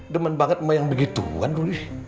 demen banget sama yang begitu kan ruy